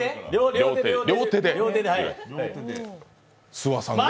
諏訪さんが？